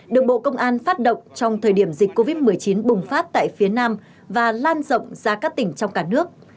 đường bộ công an phát động trong thời điểm dịch covid một mươi chín bùng phát tại phía nam và lan rộng ra các tỉnh trong cả nước